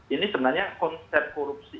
ini sebenarnya konsep korupsi